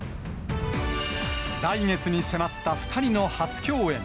来月に迫った２人の初共演。